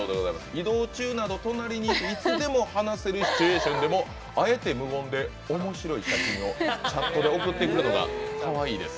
「移動中など隣にいつでも話せるシチュエーションでもあえて無言で面白い写真をチャットで送ってくるのがかわいいです」。